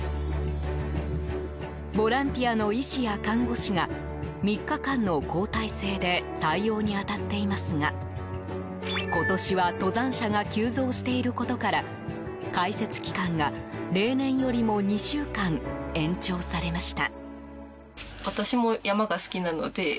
ボランティアの医師や看護師が３日間の交替制で対応に当たっていますが今年は登山者が急増していることから開設期間が、例年よりも２週間延長されました。